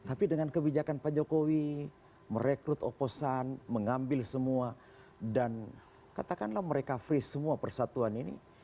tapi dengan kebijakan pak jokowi merekrut oposan mengambil semua dan katakanlah mereka free semua persatuan ini